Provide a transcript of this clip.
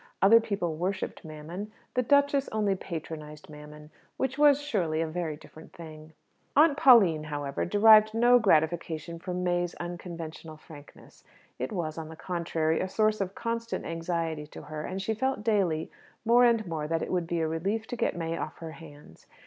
Other people worshipped Mammon; the duchess only patronized Mammon which was, surely, a very different thing! Aunt Pauline, however, derived no gratification from May's unconventional frankness. It was, on the contrary, a source of constant anxiety to her; and she felt daily more and more that it would be a relief to get May off her hands.